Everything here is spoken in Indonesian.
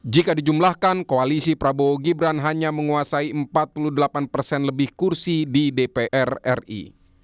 jika dijumlahkan koalisi prabowo gibran hanya menguasai empat puluh delapan persen lebih kursi di dpr ri